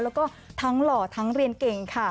แล้วก็ทั้งหล่อทั้งเรียนเก่งค่ะ